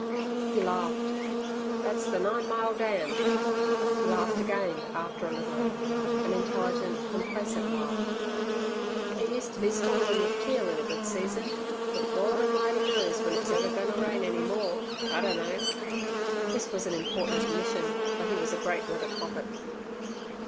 He laughed. "That's ther Nine Mile Dam!" He laughed again after a little an intelligent, complacent laugh. "It used ter be swarmin' with teal in a good season, but Gord A'mighty knows w'en it's ever goin' ter rain any more! I dunno!" This was an important admission, for he was a great weather prophet.